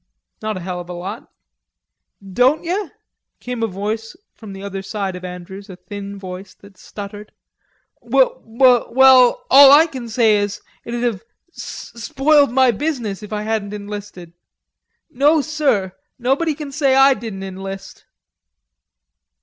"Not a hell of a lot." "Don't yer?" came a voice from the other side of Andrews, a thin voice that stuttered. "W w well, all I can say is, it'ld have sss spoiled my business if I hadn't enlisted. No, sir, nobody can say I didn't enlist."